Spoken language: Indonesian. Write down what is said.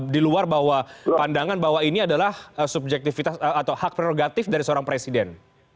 di luar bahwa pandangan bahwa ini adalah subjektivitas atau hak prerogatif dari seorang presiden